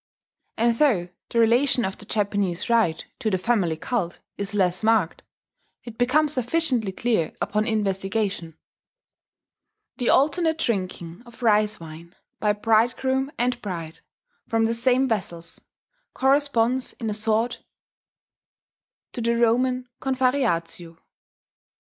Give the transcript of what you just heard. And though the relation of the Japanese rite to the family cult is less marked, it becomes sufficiently clear upon investigation. The alternate drinking of rice wine, by bridegroom and bride, from the same vessels, corresponds in a sort to the Roman confarreatio.